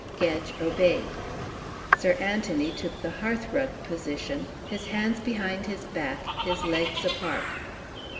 Gedge obeyed. Sir Anthony took the hearthrug position, his hands behind his back, his legs apart.